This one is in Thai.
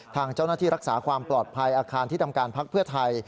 ทางเจ้าหน้าที่รักษาความปลอดภัยอาคารที่ทำการพักเพื่อไทย